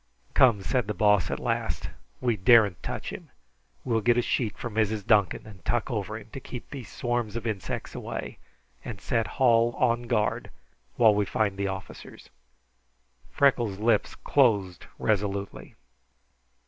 "Come," said the Boss at last. "We don't dare touch him. We will get a sheet from Mrs. Duncan and tuck over him, to keep these swarms of insects away, and set Hall on guard, while we find the officers." Freckles' lips closed resolutely.